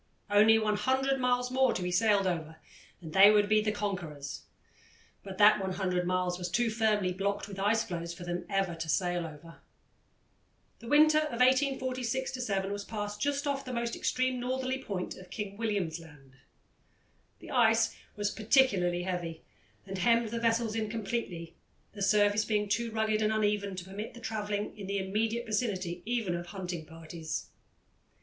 Only 100 miles more to be sailed over and they would be the conquerors but that 100 miles was too firmly blocked with ice floes for them ever to sail over. The winter of 1846 7 was passed just off the most extreme northerly point of King William's Land. The ice was particularly heavy, and hemmed the vessels in completely, the surface being too rugged and uneven to permit of travelling in the immediate vicinity even of hunting parties.